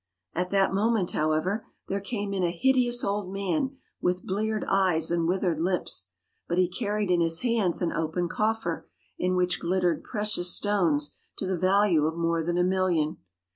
At that moment, however, there came in a hideous old man, with bleared eyes and withered lips. But he carried in his hands an open coffer, in which glittered precious stones to the value of more than a million.